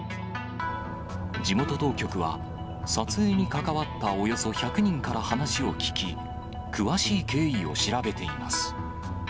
地元当局は、撮影に関わったおよそ１００人から話を聴き、詳しい経緯を調べています。